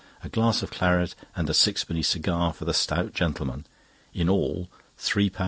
a glass of claret, and a sixpenny cigar for the stout gentleman—in all £3 0s.